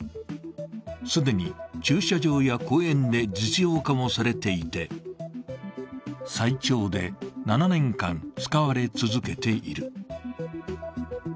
既に駐車場や公園で実用化もされていて、最長で７年間、使われ続けている。